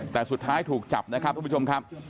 แต่สุดท้ายถูกจับนะครับทุกผู้ชมครับ